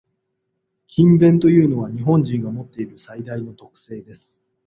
「勤勉」というのは、日本人が持っている最大の特性です。